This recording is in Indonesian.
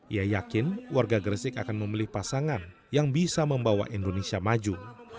ia yakin warga gresik akan memilih pasangan yang bisa membawa indonesia maju